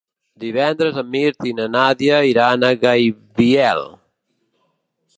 Divendres en Mirt i na Nàdia iran a Gaibiel.